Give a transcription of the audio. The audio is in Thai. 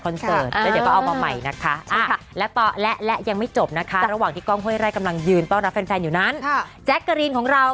ต้องขออภัยด้วยเพราะว่าเค้ากว้านซื้อทั้งหมดแล้ว